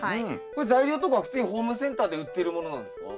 これ材料とかは普通にホームセンターで売ってるものなんですか？